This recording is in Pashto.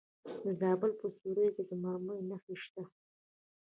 د زابل په سیوري کې د مرمرو نښې شته.